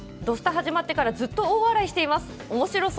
「土スタ」始まってからずっと大笑いしています。